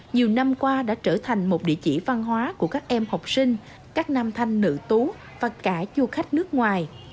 nhiều năm qua đã trở thành một địa chỉ văn hóa của các em học sinh các nam thanh nữ tú và cả du khách nước ngoài